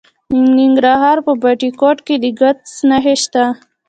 د ننګرهار په بټي کوټ کې د ګچ نښې شته.